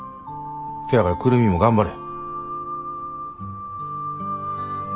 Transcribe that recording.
せやから久留美も頑張れ。